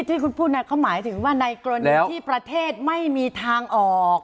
ที่คุณพูดเขาหมายถึงว่าในกรณีที่ประเทศไม่มีทางออก